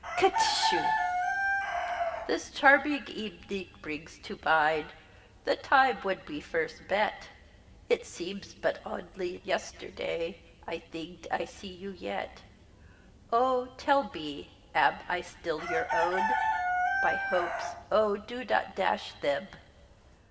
Ck ck tish u!) This charbig evedig brigs to bide The tibe whed first we bet: It seebs budt odly yesterday; I thigk I see you yet. Oh! tell be, ab I sdill your owd? By hopes oh, do dot dash theb!